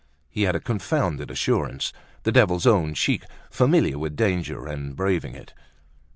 He had a confounded assurance, the devil's own cheek, familiar with danger, and braving it.